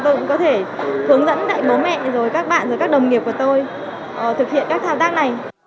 tôi cũng có thể hướng dẫn lại bố mẹ rồi các bạn rồi các đồng nghiệp của tôi thực hiện các thao tác này